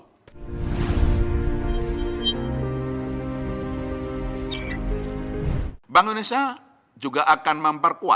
serta memperkuat kebijakan yang diperlukan untuk memperkuat kebijakan yang diperlukan